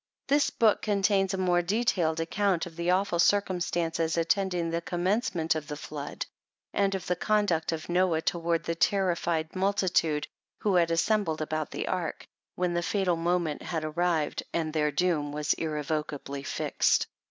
This book contains a more detailed account of the awful circumstances attending the commencement of the flood, and of the conduct of Noah to ward the terrified multitude who had assembled about the ark, when the fatal moment had arrived, and their doom was irrevocably fixed.